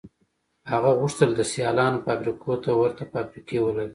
هغه غوښتل د سیالانو فابریکو ته ورته فابریکې ولري